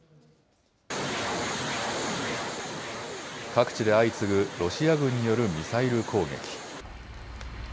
各地で相次ぐロシア軍によるミサイル攻撃。